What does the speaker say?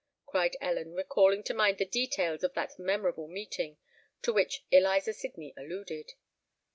cried Ellen, recalling to mind the details of that memorable meeting to which Eliza Sydney alluded.